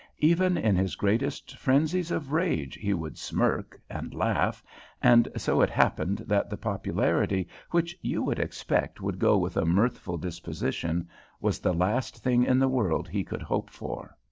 Even in his greatest frenzies of rage he would smirk and laugh, and so it happened that the popularity which you would expect would go with a mirthful disposition was the last thing in the world he could hope for.